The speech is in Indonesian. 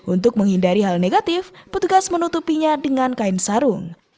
untuk menghindari hal negatif petugas menutupinya dengan kain sarung